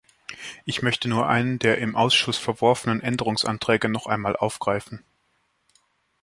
Ich möchte nur einen der im Ausschuss verworfenen Änderungsanträge noch einmal aufgreifen.